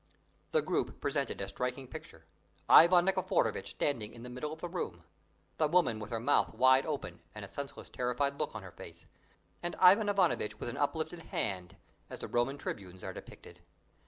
The group presented a striking picture: Ivan Nikiforovitch standing in the middle of the room; the woman with her mouth wide open and a senseless, terrified look on her face, and Ivan Ivanovitch with uplifted hand, as the Roman tribunes are depicted.